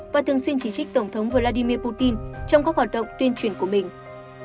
và thường xuyên chỉ trích tổng thống vladimir putin trong các hoạt động tuyên truyền của mình